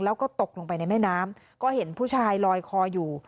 แล้วก็ตกลงไปในแม่น้ำก็เห็นผู้ชายลอยคออยู่